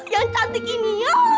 yang cantik ini